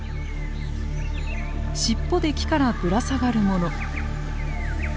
尻尾で木からぶら下がる者。